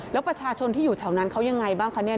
แล้วประชาชนที่อยู่แถวนั้นเขายังไงบ้างคะเนี่ย